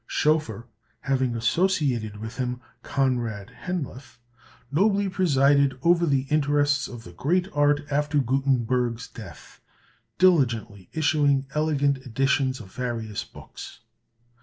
Schoeffer, having associated with him Conrad Henliff, nobly presided over the interests of the great art after Gutenberg's death, diligently issuing elegant editions of various books.